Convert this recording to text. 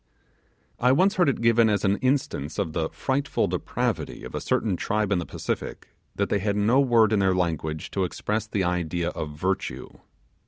I once heard it given as an instance of the frightful depravity of a certain tribe in the Pacific that they had no word in their language to express the idea of virtue.